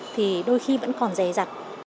thì đôi khi vẫn còn dè dặt